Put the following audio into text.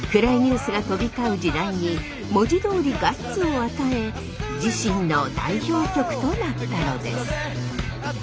暗いニュースが飛び交う時代に文字どおりガッツを与え自身の代表曲となったのです。